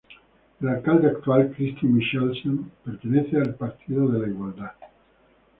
El alcalde actual, Kristin Michelsen, pertenece a al Partido de la Igualdad.